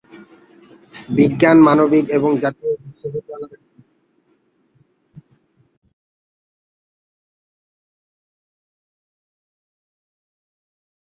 বিজ্ঞান, মানবিক এবং বাণিজ্য ও কারিগরি শাখায় উচ্চ মাধ্যমিক ও জাতীয় বিশ্ববিদ্যালয়ের অধীনে স্নাতক ডিগ্রি কোর্স চালু আছে।